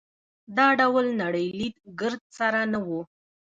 دا ډول نړۍ لید ګرد سره نه وو.